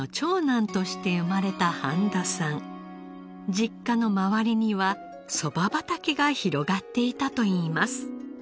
実家の周りにはそば畑が広がっていたといいます。